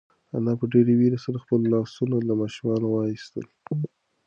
انا په ډېرې وېرې سره خپل لاسونه له ماشومه وایستل.